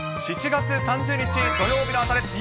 ７月３０日土曜日の朝です。